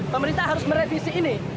pemerintah harus merevisi ini